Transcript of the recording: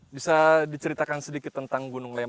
bisa diceritakan sedikit tentang gunung lemon